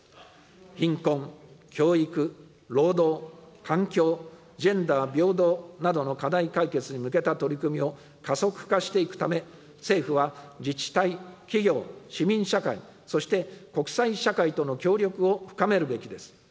貧困、教育、労働、環境、ジェンダー平等などの課題解決に向けた取り組みを加速化していくため、政府は自治体、企業、市民社会、そして国際社会との協力を深めるべきです。